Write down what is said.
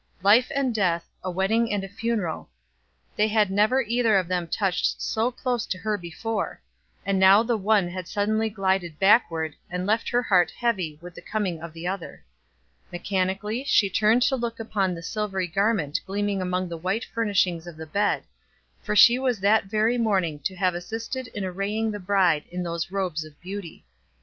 Life and death, a wedding and a funeral they had never either of them touched so close to her before; and now the one had suddenly glided backward, and left her heart heavy with the coming of the other. Mechanically, she turned to look upon the silvery garment gleaming among the white furnishings of the bed, for she was that very morning to have assisted in arraying the bride in those robes of beauty.